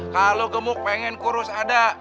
kalau gemuk pengen kurus ada